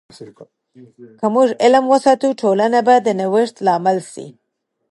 که موږ علم وساتو، ټولنه به د نوښت لامل سي.